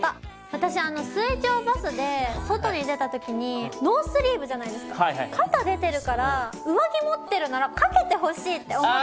私あの水上バスで外に出た時にノースリーブじゃないですか肩出てるから上着持ってるなら掛けてほしいって思った。